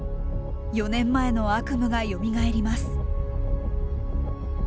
４年前の悪夢がよみがえります。